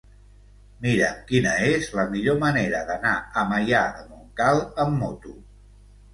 Mira'm quina és la millor manera d'anar a Maià de Montcal amb moto.